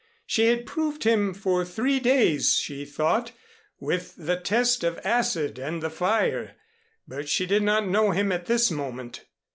She had proved him for three days, she thought, with the test of acid and the fire, but she did not know him at this moment.